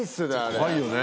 怖いよね。